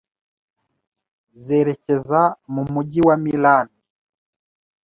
zerekeza mu mujyi wa Milan